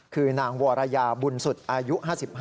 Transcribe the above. คือนางวรยาบุญสุดอายุ๕๕